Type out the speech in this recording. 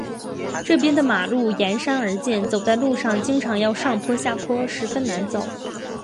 这边的马路沿山而建，走在路上经常要上坡下坡，十分难走。